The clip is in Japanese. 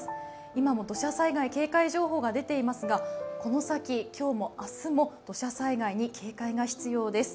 今も土砂災害警戒情報が出ていますがこの先、今日も明日も土砂災害に警戒が必要です。